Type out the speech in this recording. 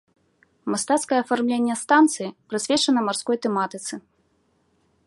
Мастацкае афармленне станцыі прысвечана марской тэматыцы.